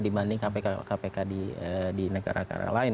dibanding kpk di negara negara lain